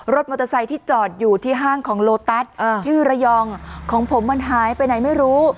มอเตอร์ไซค์ที่จอดอยู่ที่ห้างของโลตัสที่ระยองของผมมันหายไปไหนไม่รู้